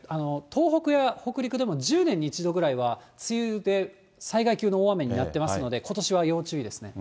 東北や北陸でも、１０年に１度ぐらいは梅雨で災害級の大雨になってますので、ことしは要注意ですね。